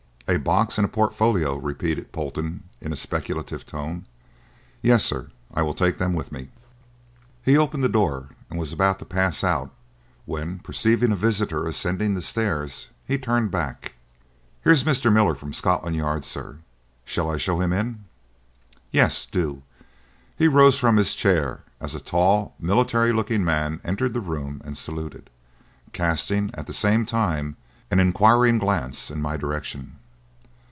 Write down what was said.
"A box and a portfolio," repeated Polton in a speculative tone. "Yes, sir, I will take them with me." He opened the door and was about to pass out, when, perceiving a visitor ascending the stairs, he turned back. "Here's Mr. Miller, from Scotland Yard, sir; shall I show him in?" "Yes, do." He rose from his chair as a tall, military looking man entered the room and saluted, casting, at the same time, an inquiring glance in my direction.